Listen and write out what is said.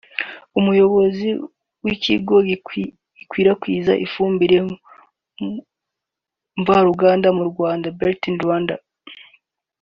umuyobozi w’ikigo gikwirakwiza ifumbire mva ruganda mu Rwanda Balton Rwanda